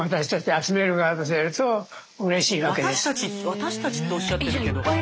私たちとおっしゃってるけど。